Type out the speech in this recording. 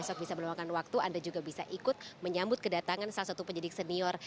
besok bisa meluangkan waktu anda juga bisa ikut menyambut kedatangan salah satu penyidik senior